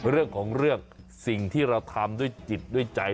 เรื่องของเรื่องสิ่งที่เราทำด้วยจิตด้วยใจ